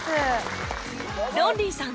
ロンリーさん